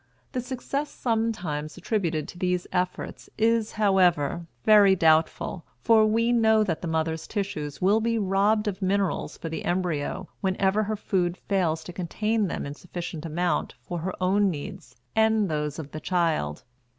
The success sometimes attributed to these efforts is, however, very doubtful, for we know that the mother's tissues will be robbed of minerals for the embryo whenever her food fails to contain them in sufficient amount for her own needs and those of the child.